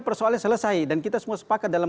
persoalannya selesai dan kita semua sepakat dalam